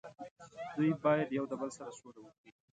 دوي باید یو د بل سره سوله وکړي